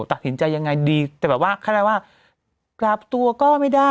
ตัดสินใจยังไงดีแต่แบบว่าเขาเรียกว่ากลับตัวก็ไม่ได้